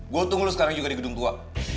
gue tunggu lu sekarang juga di gedung tua